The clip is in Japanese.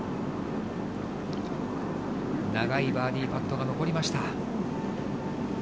長いバーディーパットが残りました。